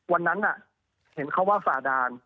วันนั้นเห็นเขาว่าฝ่าด่าน